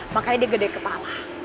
makanya dia gede kepala